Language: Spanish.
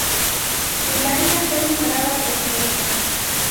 Hilaria fue nombrada presidenta.